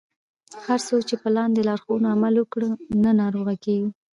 هر څوک چې په لاندې لارښوونو عمل وکړي نه ناروغه کیږي.